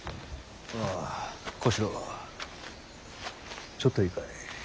小四郎ちょっといいかい。